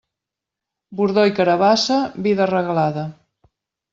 Bordó i carabassa, vida regalada.